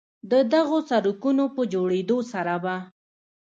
د دغو سړکونو په جوړېدو سره به